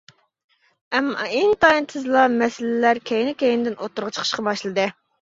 ئەمما ئىنتايىن تېزلا مەسىلىلەر كەينى-كەينىدىن ئوتتۇرىغا چىقىشقا باشلىدى.